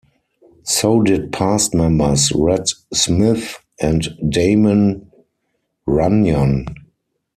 So did past members Red Smith and Damon Runyon.